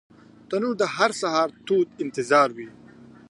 تنور د هر سهار تود انتظار وي